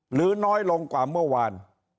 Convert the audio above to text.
หรือน้อยลงกว่าเมื่อวาน